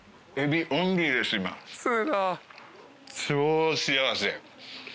超幸せ！